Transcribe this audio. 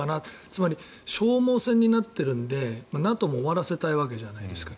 つまり、消耗戦になっているのでＮＡＴＯも終わらせたいわけじゃないですか。